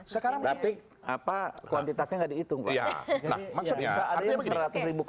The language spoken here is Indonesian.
tapi kuantitasnya nggak dihitung pak